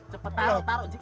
cepet taruh ji